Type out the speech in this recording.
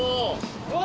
うわ！